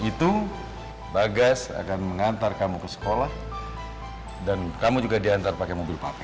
itu bagas akan mengantar kamu ke sekolah dan kamu juga diantar pakai mobil papan